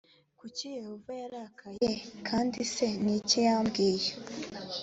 kuki yehova yarakaye kandi se ni iki yabwiye